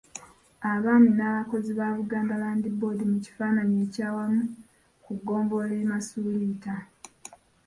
Abaami n’abakozi ba Buganda Land Board mu kifaananyi ekyawamu ku ggombolola e Masuuliita.